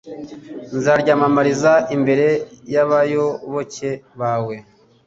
nzaryamamariza imbere y’abayoboke bawe